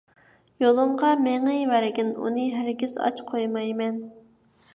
يولۇڭغا مېڭىۋەرگىن، ئۇنى ھەرگىز ئاچ قويمايمەن.